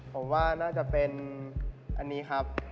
ผมว่าน่าจะเป็นอันนี้ครับ